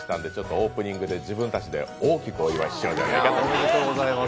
オープニングで自分たちで大きくお祝いしたいと思います。